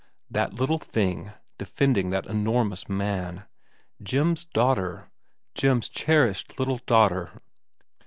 That little thing, defending that enormous man. Jim's daughter ; Jim's cherished little daughter.